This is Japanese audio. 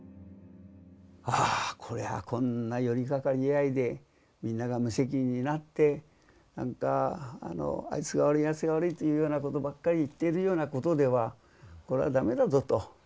あこれはこんな寄り合いでみんなが無責任になってなんかあいつが悪いあいつが悪いっていうようなことばっかり言っているようなことではこれはダメだぞと。